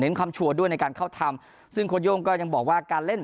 คำชัวร์ด้วยในการเข้าทำซึ่งโค้ดโย่งก็ยังบอกว่าการเล่น